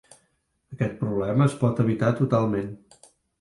Aquest problema es pot evitar totalment.